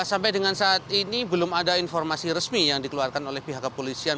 sampai dengan saat ini belum ada informasi resmi yang dikeluarkan oleh pihak kepolisian